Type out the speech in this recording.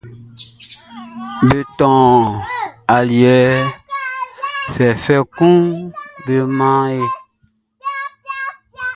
Be tɔn aliɛ fɛfɛ kun be man e.